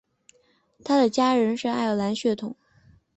他的家人是爱尔兰和血统。